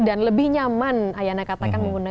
dan lebih nyaman ayana katanya